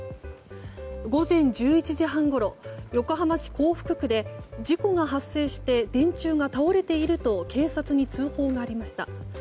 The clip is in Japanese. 午前１１時半ごろ横浜市港北区で事故が発生して電柱が倒れていると警察に通報がありました。